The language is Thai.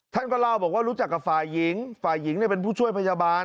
ท่านก็เล่าบอกว่ารู้จักกับฝ่ายหญิงฝ่ายหญิงเป็นผู้ช่วยพยาบาล